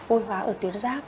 ôi hóa ở tuyến giáp